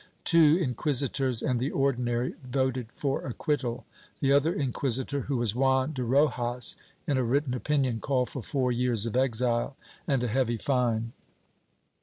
Two inquisitors and the Ordinary voted for acquittal. The other inquisitor, who was Juan de Rojas, in a written opinion, called for four years of exile and a heavy fine.